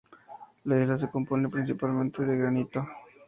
La isla se compone principalmente de granito.